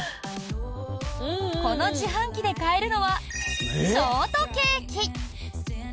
この自販機で買えるのはショートケーキ！